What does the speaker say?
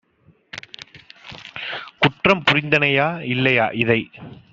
குற்றம் புரிந்தனையா இல்லையா இதை